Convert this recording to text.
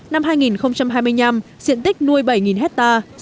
năm hai nghìn hai mươi năm diện tích nuôi bảy hectare